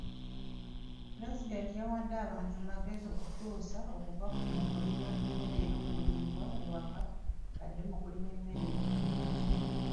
Pulezidenti yawadde abantu amagezi okukyusa okuva mu kulima emmere y'okuliibwa ewaka badde mu kulima emmere y'okutunda.